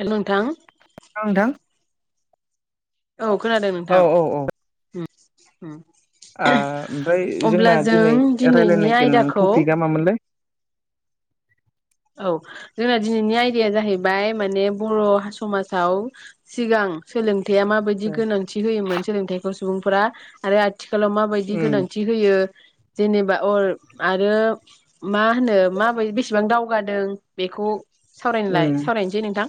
हेल नोंथां। औ नोंथां औ खोनादों नोंथां। होम। ओ ओमफ्राय जोंना जों दिनै रायलायनो दिनैनि नागिनाय आयदाखौ टपिकआ मामोनलाय? औ जोंना दिनैनि आयदाया जाहैबाय माने बर' समाजाव सिगां सोलों थाइआ माबायदि गोनांथि होयोमोन सोलोंथाइखौ सुबुं फोरा आरो आथिखालाव माबायदि उम गोनांथि होयो जेनेबा अल आरो मा होनो माबायदि बेसेबां दाउ- दावगादों बेखौ- सावरायनोलाय सावरायनोसै नोंथां।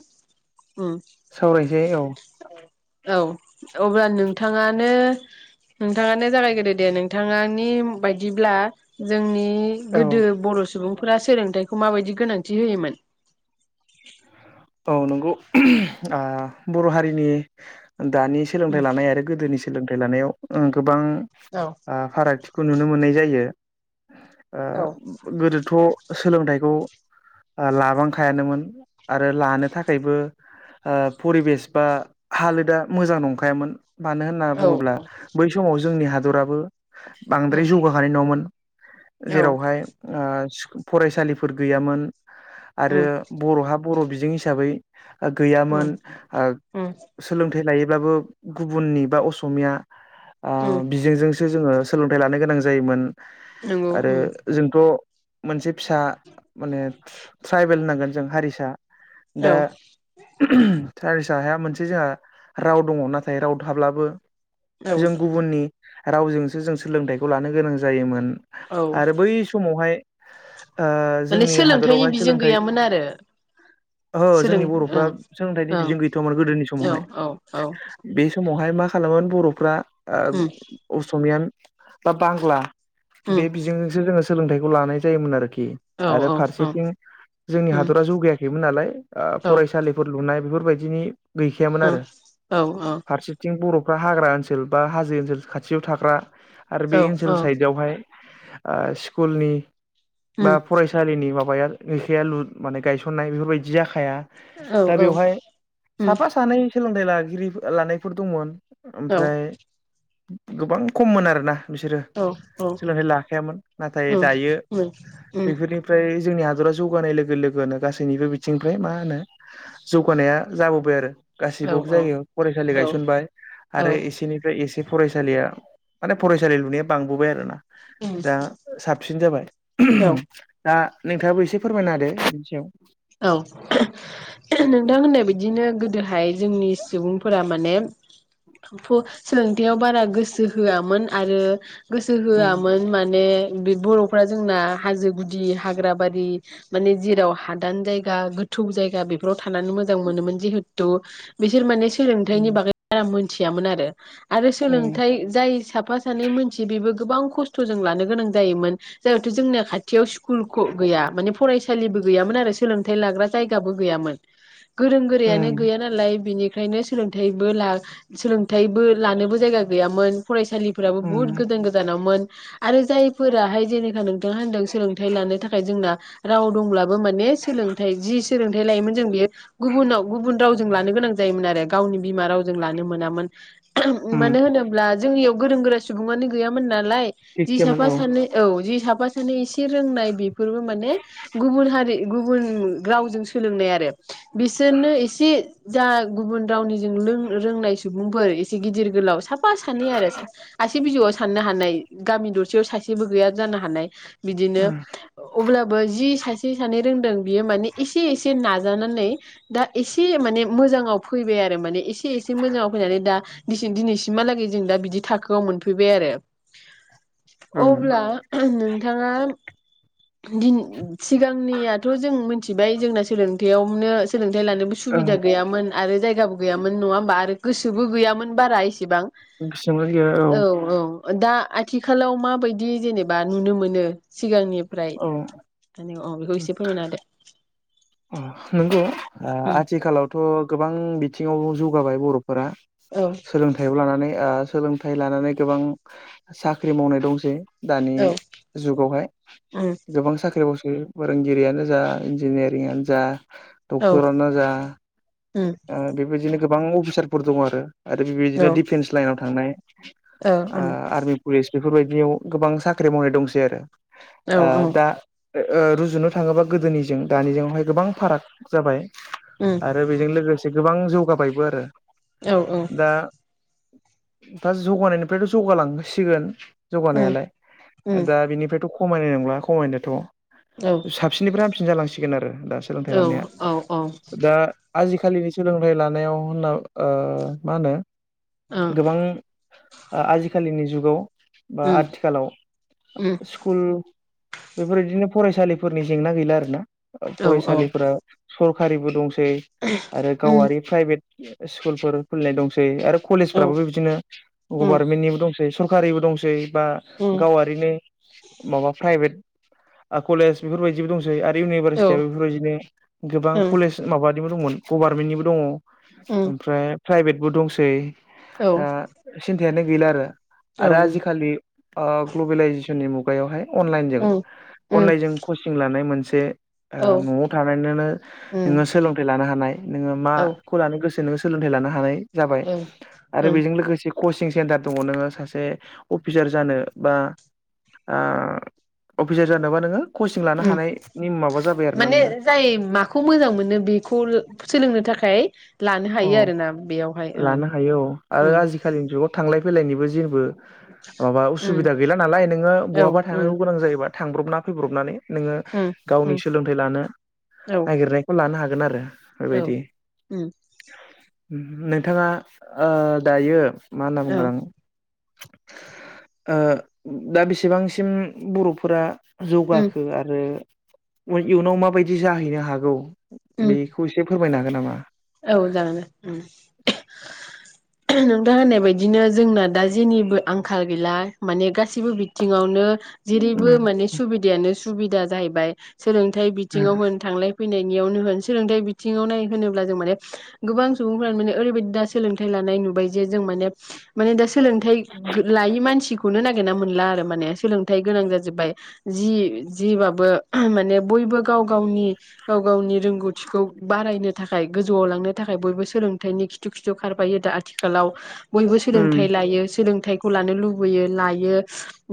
उम। सावरायनोसै औ। औ अब्ला नोंथाङानो नोंथाङानो जागाय गोदो दे नोंथांनि बायदिब्ला जोंनि औ गोदो बर' सुबुं फोरा सोलोंथाइखौ माबायदि गोनांथि होयोमोन [inaudible] औ नंगौ [unintelligible] ओ बर' हारिनि दानि सोलोंथाइ उम लानाय आरो गोदोनि सोलोंथाइ लानायाव ओ। गोबां औ ओ फारागथि खौ नुनो मोननाय जायो। ओ गोदोथ' सोलोंथाइखौ ओ लाबांखायानोमोन आ ओ लानो थाखायबो ओ परिबेस बा हालोदा मोजां नंखायामोन। मानो होनना औ बुङोब्ला बै समाव ज जोंनि हादराबो उम बांद्राय जौगाखानाय नङामोन औ जेरावहाय ओ फरायसालिफोर गैयामोन। आरो उम बर'हा बर' बिजों हिसाबै गैयामोन उम ओ उम सोलोंथाइ लायो ब्लाबो गुबुननि बा असमिया ओ उम बिजोंजोंसो जोङो सोलोंथाइ लानो गोनां जायोमोन नंगौ आरो उम जोंथ' मोनसे फिसा मानेब ट्रायब ट्रायबेल होननांगोन जों हारिसा दा औ [unintelligible] सारि साहाया मोनसे जोंहा राव दङ नाथाय राव थाब्लाबो औ जों गुबुननि रावजोंसो जों सोलोंथाइखौ लानो गोनां जायोमोन। औ आरो बै समावहाय ओ माने जोंनि सोलोंथाइनि हादरावहाय बिजों सोलोंथाइ गैयामोन आरो ओहो सोलों जोंनि बर'फ्रा ओं सोलोंथाइनि ओं बिजों गैथ'वामोन गोदोनि औ समावहाय औ औ बे समाव ओमाय मा खालामोमोन बर'फ्रा उम ओ असमिया बा‌‌ बांला उम बे बिजोंजोंसो जोङो सोलोंथाइखौ लानाय जायोमोन आरोखि औ आरो औ औ फारसेथिं जोंनि उम हादरा जौगाया याखैमोन‌ नालाय औ फरायसालिफोर लुनाय बेफोरबायदिनि गैखायामोन उम आरो औ फारसेथिं बर' फ्रा हाग्रा ओनसोल बा हाजो ओनसोल खाथियाव थाग्रा आरो बे औ ओनसोल औ साइदावहाय ओ‌ स्कुलनि उम बा फरायसालिनि माब [unintelligible] सननाय बेफोरबायदि जाखाया औ दा औ बेवहाय उम साफा सानै सोलों थाइ‌‌ लागिरि लानायफोर दंमोन। औ ओमफ्राय गोबां खममोन आरोना बिसोरो औ सोलोंथाइ लाखायामोन नाथाय उम दायो उम उम बेफोरनिफ्राय जोंनि हा दोरा जौगानाय लोगो लोगोन गासैनिबो बिथिंनिफ्राय मा होनो जौगानाया जाबोबाय आरो औ गासिबबो जायगायाव फरायसालि औ गायसनबाय औ आरो औ एसेनिफ्राय एसे फरायसालिया माने फरायसालि लुनाया बांबोबाय आरो ना दा‌ साब सिन जाबाय। [unintelligible] दा नोंथाङाबो एसे फोरमायना होदो बिनि सायाव औ [unintelligible] नोंथां होननाय बायदिनो गोद हाय जोंनि सुबुंफोरा माने फु सोलोंथायाव बारा गोसो होआमोन आरो गोसो उम होआमोन माने बे बर' जोंना हाजो गुदि हाग्राबारि माने जेराव हा दान जायगा गोथौ जायगा बेफोरआव थानानै मोजां मोनो मोन जिहेतु बिसोर माने सोलोंथाइनि उम बागै बारा मोन थियामोन आरो आरो उम सोलोंथाइ जाय साफा सानै मानसि बेबो गोबां खस्थ जों लानो गोनां जायोमोन जाहाथे जोंना खा थियाव स्कुल ख गैया माने फराइसालिबो गैयामोन आरो सोलोंथाइ लाग्रा जायगाबो गैयामोन । गोरों गोरायानो उम गैया नालाय बिनि खायनो सोलोंथाइबो ला सोलों थायबो लानोबो जायगा गैयामोन । फराइसालिफोराबो बुहुत उम गोदान गोदानावमोन । आरो जायफोराहाय जेनेखा नों थांआ होनदों सोलोंथाइ लानो थाखाय जोंना राव दंब्लाबो माने सोलोंथाइ जि सोलोंथाइ लायोमोन बेयो गुबुनाव गुबुन रावजों जों लानो गोनां जायोमोन आरो गावनि बिमा राव जों लानो मोनामोन। उम मानो होनोब्ला जोंनियाव गोरों गोरा सुबुंआनो गैयामोन नालाय जि एखेमोन साफा औ सानै, औ जि साफा माने एसे रोंनाय बेफोरबो माने गुबुन हारि गुबुन रावजों सोलोंनाय आरो बिसोरनो एसे जा गुबुन रावनि जों लों रोंनाय सुबुंफोर एसे गिदिर गोलाव साब साफा सानै आरो आसि सि बिजौआव साननो हानाय गामि दरसेयाव सासेबो गैया जानो हानाय । बिदिनो उम अब्लाबो जि सा से सानै रोंदों बियो माने इसे इसे नाजानानै दा इसे माने मोजाङाव फैबाय आरो माने इसे से एसे मोजाङाव फैनानै दा दिनैसिमहालागै जों दा बिदि थाखोआव मोनफैबाय आरो ओं अब्ला नोंथाङा दिन सिगांनिया थ जों मिथिबाय जोंना सोलों देयावनो सोंलों देलानोबो सुबिदा गैयामोन। आरो जायगाबो गैयामोन नङा होमबा आरो गोसोबो गैयामोन बारा एसेबां। गोसोआवनो गैया औ। औ दा आथिखालाव माबायदि जेनेबा नुनो मोनो सिगांनि फ्राय औ मानि अ बेखौ एसे फोरमायना होदो। अ नोंगौ। ओ उम आथिखालावथ । गोबां बिथिङाव जौगाबाय बर फोरा औ सोलोंथाइआव लानानै ओ सोलोंथाइ लानानै गोबां साख्रि मावनाय दंसै। दानि औ जुगावहाय उम गोबां साख्रि ओ फोरोंगिरियानो जा इन्जिनियार यानो जा औ डक्टरानो जा उम ओ बेबायदिनो गोबां अफिसारफोर दङ आरो। आरो बेबायदिनो औ डिफेन्स लाइनाव थांनाय औ ओ उम आर्मि पुलिस बेफोरबायदियाव गोबां साख्रि मावनाय दंसै आरो। औ आह दा ओ रुजुनो थाङोबा गोदोनिजों दानिजोंआवहाय गोबां फाराग जाबाय। उम आरो बेजों लोगोसे गोबां। जौगाबायबो आरो। औ औ। दा दा जौगानायनिफ्रायथ जौगालांसिगोन। जौगानायालाय उम दा बिनिफ्रायथ ख खमायनाय नंला खमायनायाथ। औ साबसिननिफ्राय हामसिन जालांसिगोन। सिखोन आरो दा सोलोंथाइ औ लानाया औ औ दा आजिखालिनि सोलोंथाइ लानायाव होनना ओ मा होनो ओ गोबां आ आजिखालिनि जुगाव बा उम आथिखालाव उम स्कुल बेफोरबायदिनो फरायसालिफोरनि जेंना गैला आरो ना। औ फरायसालिफोरा सरकारिबो दंसै सै आरो उम गावारि प्राइभेट स्कुलफोर खुलिनाय दंसै आरो औ कलेजफ्राबो बिदिनो उम गभारमेन्टनिबो दं सरकारिबो दंसै बा उम गावारिनि माबा प्राइभेट आ कलेज बेफोरबायदिबो दंसै आरो इउनि [unintelligible] औ बेफोरबादिनो गोबां उम कलेज माबा निबो दंमोन गभारमेन्टनिबो दङ। ओम ओमफ्राय प्राइभेट बो दंसै। औ ओ सिन यानो गैला आरो। आरो ओं आजिखालि ओ ग्लबेलाइजेसननि मुग यावहाय अनलाइनजों ओम ओम अनलाइनजों कसिं लानाय मोन से ओ औ न'आव थानानैनोनो नोङो ओम सोलोंथाइ लानो हानाय नोङो औ माखौ लानो गोसो नो सोलोंथाइ लानो हानाय जाबाय ओं आरो ओं बेजों लोगोसे कचिं स्टेन्डार दङ नोङो सासे अफिसार जानो बा अ अफिसार जानोबा नोङो कचिं लानो ओम हानायनि माबा जाबा माने जाय माखौ मोजां मोनो बेखौ सोलोंनो थाखाय लानो औ हायो आरोना बेयावहाय ओं लानो हायो औ आरो ओम आजिखालिनि जुगाव थांलाय फैलायनिबो जेबो माबा ओम उसुबिदा गैला नालाय नोङो औ बहाबा थांनांगौ ओम गोनां जायोबा थांब्रबना फैब्रबनानै नोङो ओम गावनि ओम सोलोंथाइ लानो नागिरनायखौ लानो हागोन। गोन आरो औ‌‌ बेबायदि उम नोंथाङा ओ‌ दायो। मा होनना औ बुंगोन आं ओ दा बेसेबांसिम बर'फोरा ओम जौगाखो आरो उइ इयुनाव माबायदि जाहैनो हागौ? ओम बेखौ इसे फोरमायना‌ गो नामा? औ जागोन दे उम नोंथां होननाय बायदिनो जोंना दा जेनिबो आंखाल गैला माने गाससिबो बिथिङावनो जेरैबो उम माने सुबिदायानो सुबिदा जाहैबाय। सोलोंथाइ बिथिङाव होनो थांलाय फैनायनियावनो होन सोलोंथायाइ बिथिङाव नाय होनो ब्ला जों माने गोबां सुबुंफ्रानो माने ओरैबायदि दा सोलोंथाइ लानाय नुबाय जे जों माने माने दा सोलोंथाइ गो लायै मानसिखौनो नागिरना मोनला आरो माने सोलोंथाइ गोनां जाजोबबाय जि जि बाबो माने बयबो गाव गावनि गाव गावनि रोंगौथिखौ बारायनो थाखाय गोजौआव लांनो थाखाय बयबो सोलोंथाइनि खिथु खिथु खारफायो दा आथिखालाव बयबो सोलोंथाइ उम लायो सोंलों थाइखौ लानो लुबैयो लायो।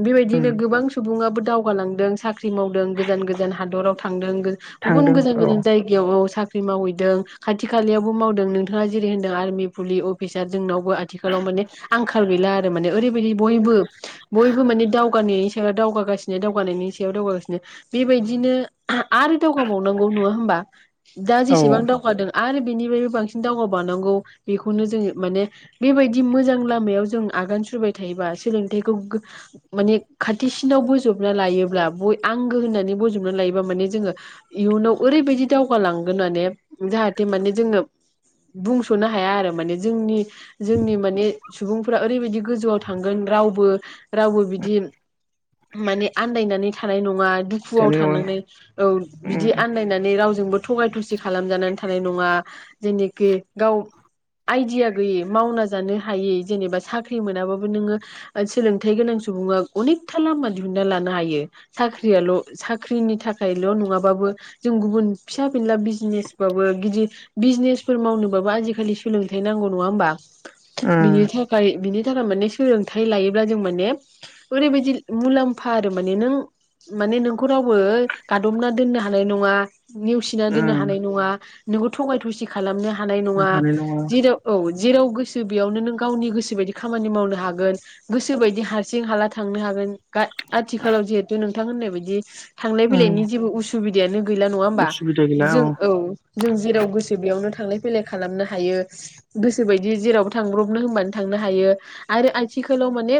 बेबायदिनो उम गोबां सुबुआबो दावगालांदों साख ख्रि मावदों गोजान गोजान हादराव थांदों गो गुबुन थांदों गोजान गोजान जायगायावबो साख ख्रि‌ मावै दों खाथि खालयावबो मावदों नोंथाङा जेरै होनदों आर्मि पुलि अफिसार जोंनाव बो आथिखालाव माने आंखाल गैला‌ आरो माने ओरैबायदि बयबो बयबो माने दावगानायनि सा ओ दावगागासिनो दावगानायनि सायाव दावगागासिनो बेबायदिनो आरो दावगाबावनांगौ नंआ होमबा? औ सेबां दावगादों आरो बेनिफ्रायबो बांसिन दावगाबानांगौ बेखौनो जोङो माने बेबायदि मोजां लामायाव जों आगान सुरबाय थायोबा सोलोंथाइखौ गो माने खाथिसिनाव बोजबना लायोब्ला बय आंगो होननानै बोजबना लायोबा माने जोङो इयुनाव ओरैबायदि दावगालांगोन माने जाहाथे माने जोङो बुंसनो हाया आरो माने जोंनि जोंनि माने सुबुंफोरा ओरैबायदि गोजौआव थांगोन रावबो रावबो बिदि माने आन्दायनानै थानाय नङा। दुखुआव हानाय नङा थांनांनाय औ उम बिदि आन्दायनानै रावजोंबो थगाय थसिग खालामजानानै थानाय नङा जेनिखि गाव आइडिया गैयै मावना जानो हायै जेनेबा साख्रि मोनाबाबो नोङो ओ सोलोंथाइ गोनां सुबुङा अनेखथा लामा दिहुनना लानो हायो। साख्रियाल' साख साख्रिनि थाखायल नङाबाबो जों गुबुन फिसा फिनला बि बिजनेसबाबो गिदिर बिजनेसफोर मावनोबाबो आजिखालि सोलोंथाइ नांगौ नङा होम्बा। बिनि उम थाखाय बिनि [unintelligible] माने सोलोंथाइ लायोब्ला जों माने ओरैबायदि मुलाम्फा आरो माने नों माने नोंखौ रावबो गादबना दोननो हानाय नङा। नेवसिना दोना उम बा नोंखौ थगाय थसि खालामनो हानाय नङा हानाय नङा जेराव औ। जेराव गोसो बेयावनो नों गावनि गोसो बायदि खामानि मावनो हागोन गोसो बायदि हारसिं हाला थांनो हागोन। आथिखालाव जिहेथु नों नोंथांङा होननाय बायदि थांलाय फैलायनि उम जेबो उसु बिदायानो गैला नङा होमबा? उसुबिदा गैला जों औ जों जेराव गोसो बेयावनो थांलाय फैलाय खालामनो हायो गोसो बायदि जेरावबो थांब्रबनो होनबानो थांनो हायो आरो आथिखालाव माने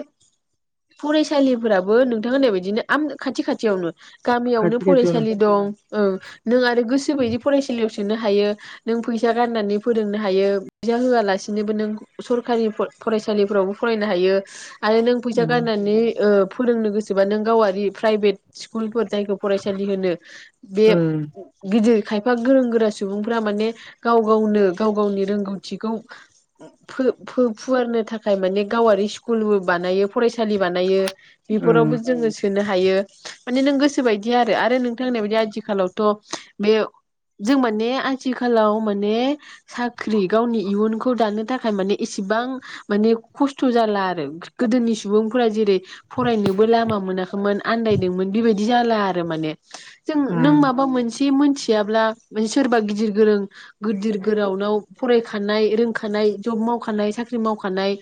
फरायसालिफोराबो नोंथां होननाय बायदिनो आम खाथि खाथियावनो। गामियावनो खाथि खाथियावनो फरायसालि दं। औ नों आरो गोसो गोसो बायदि फरायसालियाव सोनो हायो नों फैसा गारनानै फोरोंनो हायो फैसा होआलासिनोबो नों सरखारि फरायसालिफ्रावबो फरायनो हायो। आरो नों फैसा उम गारनानै ओ फोरोंनो गोसोबा नों गावारि प्राइभेट स्कुलफोर जायखौ फरायसालि होनो बे उम गिदिर खायफा गोरों गोरा सुबुंफ्रा माने गाव गावनो गाव गावनि रोंगौथिखौ फुवारनो थाखाय माने गावारि स्कुलबो बानायो। फरायसालि बानायो बेफोरावबो उम जोङो सोनो हायो। हायो माने नों गोसो बायदि आरो नोंथां होन्नाय बायदि आथिखालावथ बे जों माने आथिखालाव माने साख्रि गावनि इयुनखौ दानो थाखाय माने एसेबां माने खस्थ जाला आरो गोदोनि सुबुंफोरा जेरै फरायनोबो लामा मोनाखैमोन आन्दायदोंमोन बेबायदि जाला आरो माने। जों नों उम माबा मोनसे मिथियाब्ला माने सोरबा गिदिर गोरों गिदिर गोरानाव फरायखानाय रोंखानाय जब मावखानाय साख्रि मावखानाय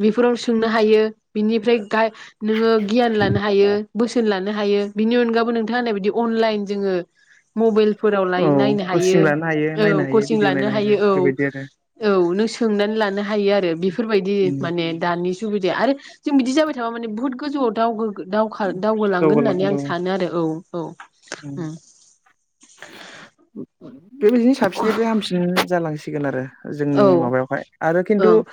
बेफोराव सोंनो हायो बिनिफ्राय दा नोङो गियान लानो हायो। बोसोन लानो हायो बिनि अनगाबो नोंथाङा होननाय बिदि अनलाइन जोङो मबाइल फोराव लाय औ नायनो हायो कचिं लानो हायो औ नायनो हायो कचिं भिडिअ लानो नायनो हायो औ बेबायदि आरो औ नों सोंनानै लानो हायो। हायो आरो बेफोरबायदि उम माने दानि सुबिदाया आरो बिदि जाबाय थाबा मान बहुत गोजौआव दावगो दावगोलांगोन होननानै दावगालांगोन आं औ सानो आरो औ। औ उम लांदां लांदां बेबायदिनो साबसिन गाहामसिन जालांसि सिगोन आरो औ जोंनि माबायावहाय आरो खिन्थु उम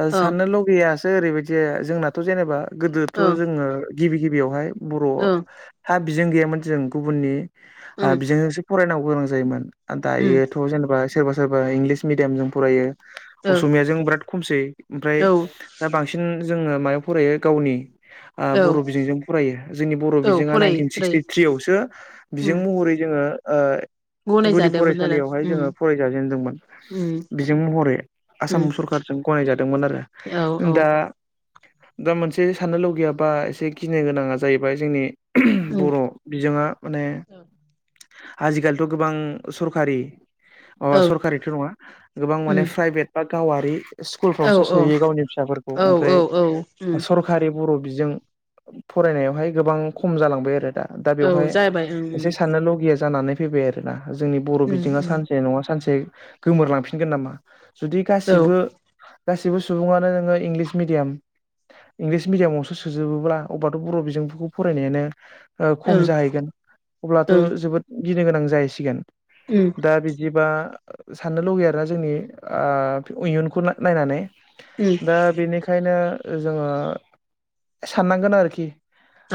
ओ औ ओं साननो लुगैया दा ओरैबायदि जोंनाथ' जेनेबा गोदोथ' ओं जोङो गिबि गिबियावहाय बर' ओं हा बिजों गैयामोन जों गुबुननि ओं हा बिजोंसो फरायनांगौ गोनां जायोमोन। उम दायोथ' जेनेबा सोरबा सोरबा इंलिस मिडियामजों फरायो असमियाजों बिराद खमसै ओमफ्राय ओ औ दा बांसिन जोङो मायाव फरायो गावनि ओ औ बर' बिजोंजों फरायो जोंनि बर' औ बिजोंआ फरायो नाइन्टिन फरायो सिक्सटिथ्रियावसो उम बिजों महरै जोङो ओ गुदि गनायजादोंमोन आरो फरायसालियावहाय उम जोङो फरायजाजेनदोंमोन उम बिजों महरै उम आसाम सरखारजों गनायजादोंमोन आरो औ औ दा दा मोनसे साननो लगैयाबा एसे गिनो गोनाङा जाहैबाय जोंनि उम बर' बिजोङा ने आजिखालिथ' गोबां सरखारि औ अ' सरखारिथ' नङा गोबां माने उम प्राइभेट बा गावारि औ स्कुलफ्रावसो सोहैयो गावनि फिसाफोरखौ औ ओमफ्राय औ उम सरखारि बर' बिजों फरायनायावहाय गोबां खम जालांबाय आरो दा। दा औ बेवहाय जाबाय। एसे ओं साननो लगैया जानानै फैबाय आरो ना जोंनि बर बिजोङआ ओं सानसे नङा सानसे गोमोरलांफिनगोन नामा? जुदि ओं गासिबो औ गासैबो सुबुङानो नोङो इंलिस मिडियाम इंलिस मिडियामावसो सोजोबोब्ला अबाथ बर बिजोंफोरखौ फरायनायानो खम ओं जाहैगोन अब्लाथ ओं जोबोद गिनो गोनां जायो जाहैसिगोन ओं दा बिदिबा साननो लुगैयो आरोना जोंनि आ इयुनखौ नायनानै ओं दा बेनिखायनो जोङो साननांगोन आरोखि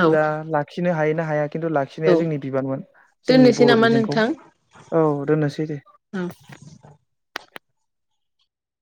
औ दा लाखिनो हायो [unintelligible] खिनाया औ जोंनि बिबानमोन जोंनि दोननोसै बर नामा बिजोंखौ नोंथां औ दोननोसै दे औ